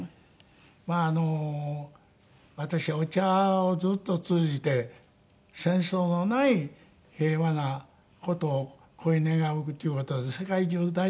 あの私はお茶をずっと通じて戦争のない平和な事を乞い願うっていう事を世界中大体７０カ国。